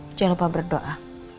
jangan lupa berdoa